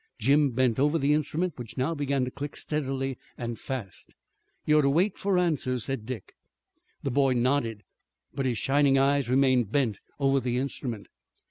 Jim bent over the instrument which now began to click steadily and fast. "You're to wait for answers," said Dick. The boy nodded, but his shining eyes remained bent over the instrument.